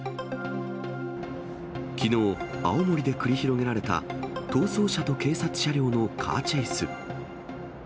きのう、青森で繰り広げられた、逃走車と警察車両のカーチェイス。